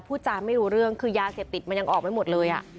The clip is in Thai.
จานไม่รู้เรื่องคือยาเสพติดมันยังออกไม่หมดเลย